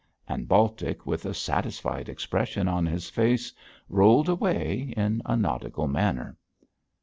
And Baltic, with a satisfied expression on his face, rolled away in a nautical manner.